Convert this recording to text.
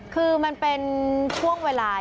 คือมันเป็นช่วงเวลา